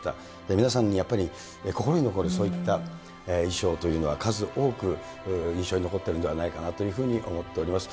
皆さんにやっぱり心に残るそういった衣装というのは、数多く印象に残っているんではないかなというふうに思っております。